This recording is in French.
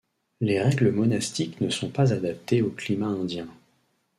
Les règles monastiques ne sont pas adaptées au climat indien.